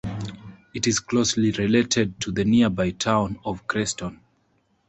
It is closely related to the nearby town of Creston.